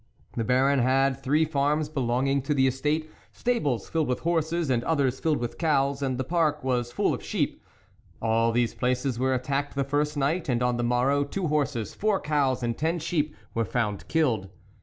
The Baron had three farms belonging to the estate, stables filled with horses, and others filled with cows, and the park was full of sheep. All these places were at tacked the first night, and on the morrow two horses, four cows, and ten sheep were found killed.